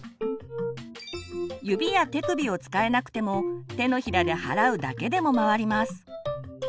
指や手首を使えなくても手のひらで払うだけでも回ります。